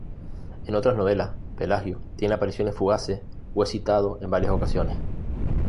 En otras novelas, Pelagio tiene apariciones fugaces o es citado en varias ocasiones.